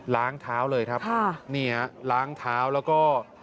ล้างเท้าเลยครับนี่ฮะล้างเท้าแล้วก็